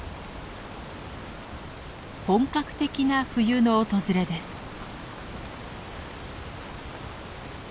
本格的な冬の訪れです。